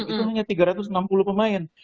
itu hanya tiga ratus enam puluh pemain